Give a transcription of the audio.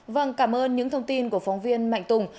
vâng cảm ơn những thông tin của phóng viên mạnh tùng